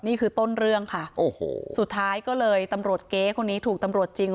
นี่คือต้นเรื่องค่ะโอ้โหสุดท้ายก็เลยตำรวจเก๊คนนี้ถูกตำรวจจริง